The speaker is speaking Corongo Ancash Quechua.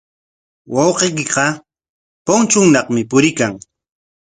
Wawqiykiqa punchuunaqmi puriykan.